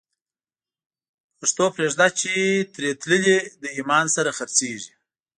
پښتو پریږده چی تری تللی، له ایمان سره خرڅیږی